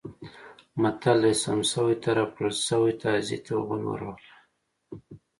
متل دی: سم سوی طرف کړل سم تازي ته غول ورغلل.